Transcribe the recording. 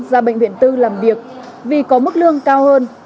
ra bệnh viện tư làm việc vì có mức lương cao hơn